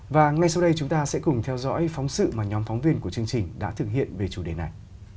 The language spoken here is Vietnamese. và ngay sau đây chúng ta sẽ cùng theo dõi phóng sự mà nhóm phóng viên của chương trình đã thực hiện về chủ đề này